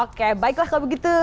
oke baiklah kalau begitu